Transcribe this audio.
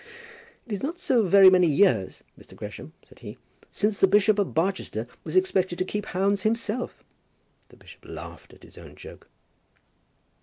"It is not so very many years, Mr. Gresham," said he, "since the Bishop of Barchester was expected to keep hounds himself," and the bishop laughed at his own joke.